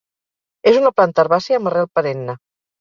És una planta herbàcia amb arrel perenne.